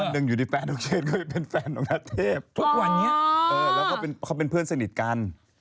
พูดชิ้วเปล่า